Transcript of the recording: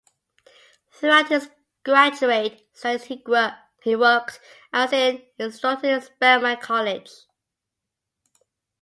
Throughout his graduate studies he worked as an instructor at Spelman College.